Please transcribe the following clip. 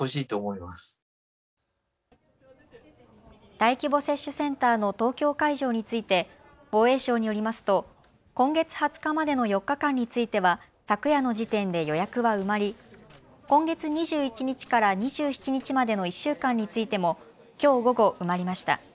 大規模接種センターの東京会場について防衛省によりますと今月２０日までの４日間については昨夜の時点で予約は埋まり今月２１日から２７日までの１週間についてもきょう午後、埋まりました。